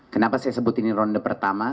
kenapa saya sebut ini ronde pertama